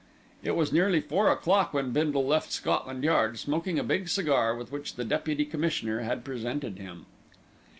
It was nearly four o'clock when Bindle left Scotland Yard, smoking a big cigar with which the Deputy Commissioner had presented him.